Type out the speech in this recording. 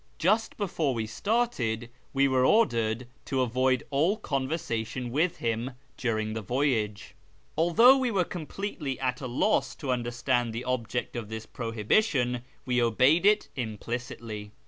Just before we started we were ordered to avoid all conversation with him during the voyage. Although we were completely at a loss to understand the object of this prohibition, we obeyed it implicitly.